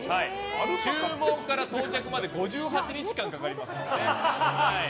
注文から到着まで４８日間かかります。